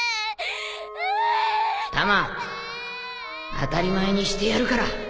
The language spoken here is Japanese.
当たり前にしてやるから